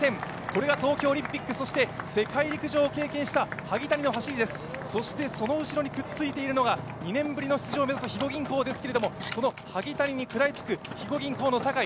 これが東京オリンピック、そして世界陸上を経験した萩谷の走りです、その後ろにくっついているのが２年ぶりの出場を目指す肥後銀行ですけどもその萩谷に食らいつく肥後銀行の酒井。